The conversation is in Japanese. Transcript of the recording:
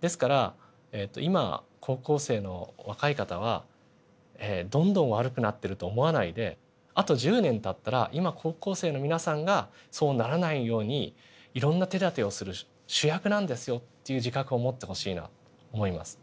ですから今高校生の若い方はどんどん悪くなってると思わないであと１０年たったら今高校生の皆さんがそうならないようにいろんな手だてをする主役なんですよっていう自覚を持ってほしいなと思います。